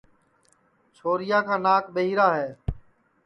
چھورِیا کا ناک ٻہیرا ہے